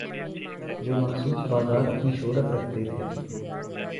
جو مخصوص بازار اپنی شہرت رکھتے تھے۔